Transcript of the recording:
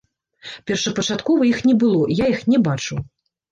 Першапачаткова іх не было, я іх не бачыў.